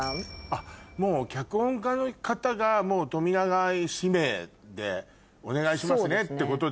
あっもう脚本家の方が冨永愛指名でお願いしますねってことで。